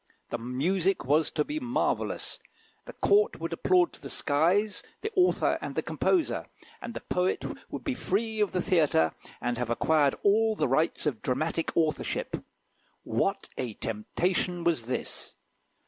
The music was to be marvellous, the Court would applaud to the skies the author and the composer, and the poet would be free of the theatre, and have acquired all the rights of dramatic authorship. What a temptation was this!